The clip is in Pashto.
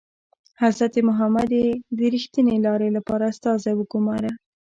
حضرت محمد یې د ریښتینې لارې لپاره استازی وګوماره.